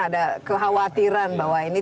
ada kekhawatiran bahwa ini